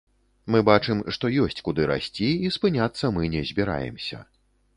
Мы бачым, што ёсць, куды расці, і спыняцца мы не збіраемся.